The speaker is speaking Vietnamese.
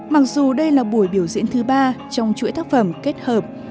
mặc dù đây là buổi biểu diễn thứ ba trong chuỗi tác phẩm kết hợp